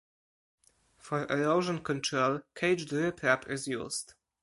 For erosion control, caged riprap is used.